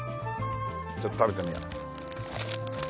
ちょっと食べてみよう。